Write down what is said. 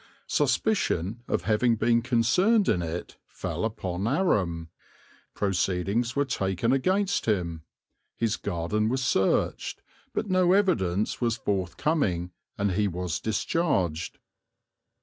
Suspicion of having been concerned in it fell upon Aram; proceedings were taken against him; his garden was searched; but no evidence was forthcoming and he was discharged.